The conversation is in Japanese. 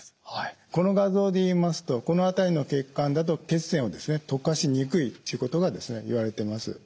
この画像で言いますとこの辺りの血管だと血栓を溶かしにくいということがいわれています。